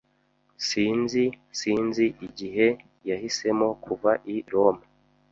Sinzi Sinzi igihe yahisemo kuva i Roma.